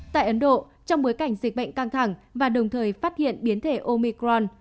tại ấn độ trong bối cảnh dịch bệnh căng thẳng và đồng thời phát hiện biến thể omicron